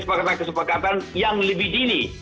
sehingga ditemukan kesepakatan kesepakatan yang berbeda